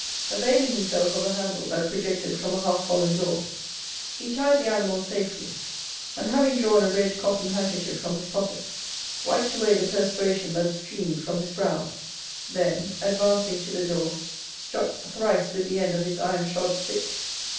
Availing himself of a handle that projected from a half fallen door, he tied the animal safely and having drawn a red cotton handkerchief, from his pocket, wiped away the perspiration that streamed from his brow, then, advancing to the door, struck thrice with the end of his iron shod stick.